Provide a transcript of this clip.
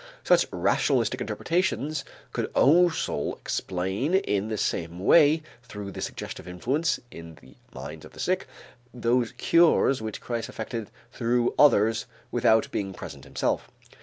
Such rationalistic interpretations could also explain in the same way through the suggestive influence in the minds of the sick, those cures which Christ effected through others without being present himself.